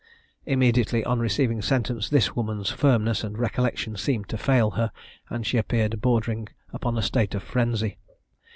Immediately on receiving sentence, this woman's firmness and recollection seemed to fail her, and she appeared bordering upon a state of frenzy.